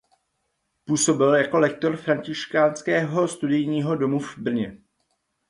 Působil jako lektor františkánského studijního domu v Brně.